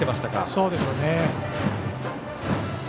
そうでしょうね。